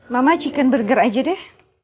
mama chicken burger aja deh